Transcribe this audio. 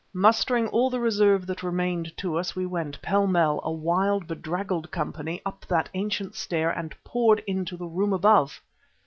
Mustering all the reserve that remained to us, we went, pell mell, a wild, bedraggled company, up that ancient stair and poured into the room above....